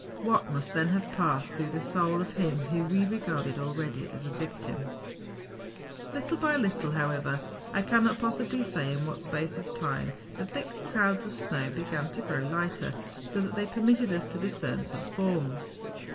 What must then have passed through the soul of him whom we regarded as already a victim I 92 MOUNTAIN ADVENTURES. Little by little, however, I cannot possibly say in what space of time, the thick clouds of snow began to grow lighter, so that they permitted us to discern some forms.